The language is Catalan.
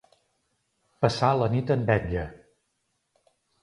Passar la nit en vetlla.